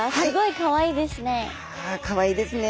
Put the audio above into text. かわいいですね。